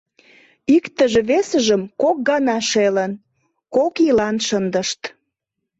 Иктыже весыжым кок гана шелын — кок ийлан шындышт.